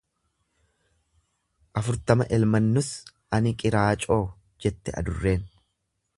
Afurtama elmannus ani qiraacoo jette adurreen.